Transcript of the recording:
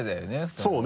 そうね。